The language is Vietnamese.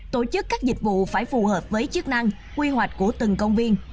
tổ chức các dịch vụ phải phù hợp với chức năng quy hoạch của từng công viên